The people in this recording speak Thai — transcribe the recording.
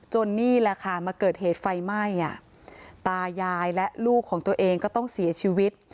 นี่แหละค่ะมาเกิดเหตุไฟไหม้ตายายและลูกของตัวเองก็ต้องเสียชีวิต